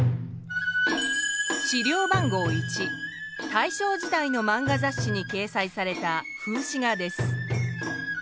資料番号１大正時代の漫画雑誌にけいさいされた風刺画です。